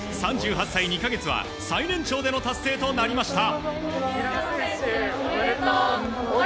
３８歳２か月は最年長での達成となりました。